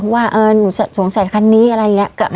ว่าหนูสงสัยคันนี้อะไรอย่างนี้